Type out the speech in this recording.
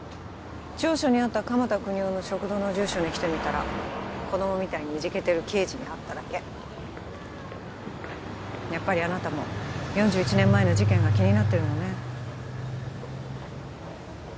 調書にあった鎌田國士の食堂の住所に来てみたら子供みたいにいじけてる刑事に会っただけやっぱりあなたも４１年前の事件が気になってるのね